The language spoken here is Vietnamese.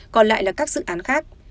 còn lại là các dự án khác